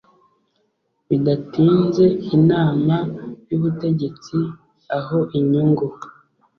bidatinzeInama y Ubutegetsi aho inyungu